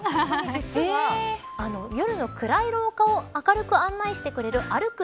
実は、夜の暗い廊下を明るく案内してくれる歩く